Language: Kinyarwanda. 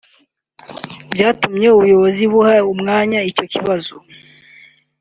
byatumye ubuyobozi buha umwanya icyo kibazo